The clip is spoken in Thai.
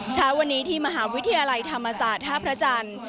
เช้าวันนี้ที่มหาวิทยาลัยธรรมศาสตร์ท่าพระจันทร์